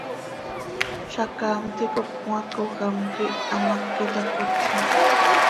Zacaam ticop cmaacoj am quih hamác iyacotlim.